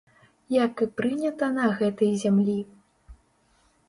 Як і прынята на гэтай зямлі.